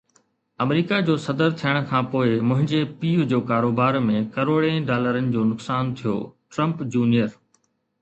آمريڪا جو صدر ٿيڻ کانپوءِ منهنجي پيءُ جو ڪاروبار ۾ ڪروڙين ڊالرن جو نقصان ٿيو، ٽرمپ جونيئر